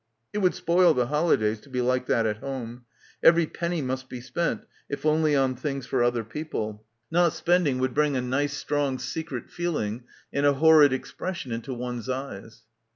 It would spoil the holidays to be like that at home. Every penny must be spent, if only on things for other people. Not spending would — 155 — PILGRIMAGE bring a nice strong secret feeling and a horrid expression into one's eyes.